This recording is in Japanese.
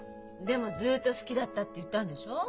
でも「ずっと好きだった」って言ったんでしょう？